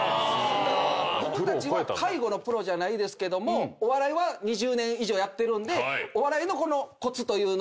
僕たちは介護のプロじゃないですけどもお笑いは２０年以上やってるんで。